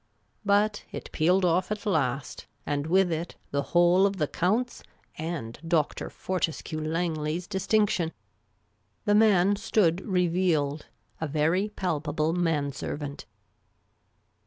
But it peeled off at last — and with it the whole of the Count's and Dr. Fortescue Langley's distinction. The man stood revealed, a very palpable man servant.